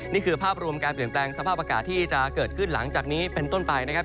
นี่คือภาพรวมการเปลี่ยนแปลงสภาพอากาศที่จะเกิดขึ้นหลังจากนี้เป็นต้นไปนะครับ